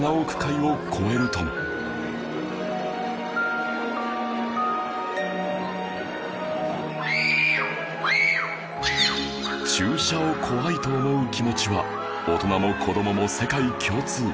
注射を怖いと思う気持ちは大人も子供も世界共通